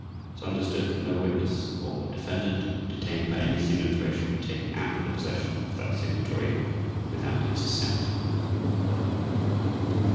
It is understood that no witness or defendant detained by any Signatory shall be taken out of the possession of that Signatory without its assent.